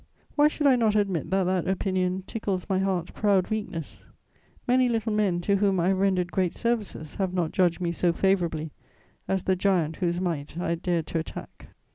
Why should I not admit that that opinion "tickles my heart's proud weakness"? Many little men to whom I have rendered great services have not judged me so favourably as the giant whose might I had dared to attack.